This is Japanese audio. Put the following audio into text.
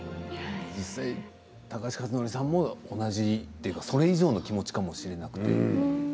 実際、高橋克典さんも同じというかそれ以上の気持ちだったかもしれません。